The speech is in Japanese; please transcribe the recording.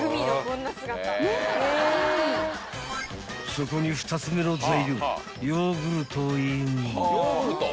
［そこに２つ目の材料ヨーグルトをイン］